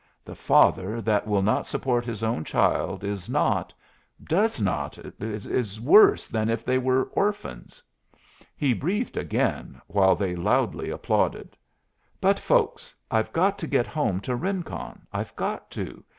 The father that will not support his own child is not does not is worse than if they were orphans." He breathed again, while they loudly applauded. "But, folks, I've got to get home to Rincon. I've got to.